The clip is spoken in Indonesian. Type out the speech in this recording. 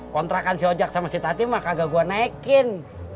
kontrakan si ojag sama si tati mah kagak gue naikin